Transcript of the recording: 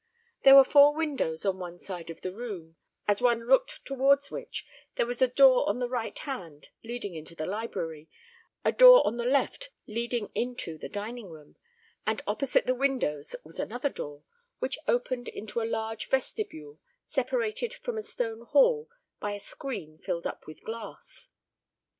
There were four windows on one side of the room, as one looked towards which there was a door on the right hand leading into the library, a door on the left leading into the dining room, and opposite the windows was another door, which opened into a large vestibule, separated from a stone hall by a screen filled up with glass.